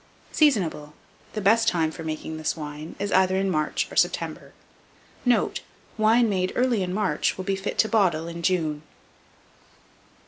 Seasonable. The best time for making this wine is either in March or September. Note. Wine made early in March will be fit to bottle in June.